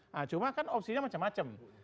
nah cuma kan opsinya macam macam